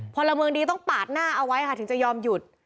พลเมืองดีต้องปาดหน้าเอาไว้ค่ะถึงจะยอมหยุด